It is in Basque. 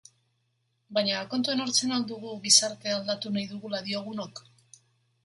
Baina kontuan hartzen al dugu gizartea aldatu nahi dugula diogunok?